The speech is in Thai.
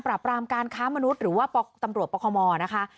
รามการค้ามนุษย์หรือว่าตำรวจปคมนะคะ